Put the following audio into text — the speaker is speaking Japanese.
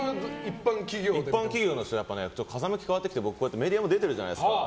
一般企業の人風向き変わってきてメディアも出てるじゃないですか。